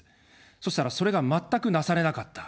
そしたら、それが全くなされなかった。